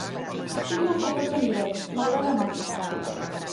Estic massa a prop d'en Dredd, m'agrada massa.